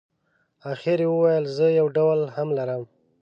اخر یې وویل زه یو ډول هم لرم.